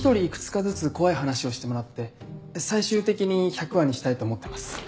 いくつかずつ怖い話をしてもらって最終的に１００話にしたいと思ってます。